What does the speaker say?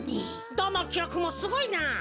どのきろくもすごいな！